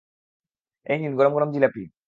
এই নিন গরম গরম জিলাপি।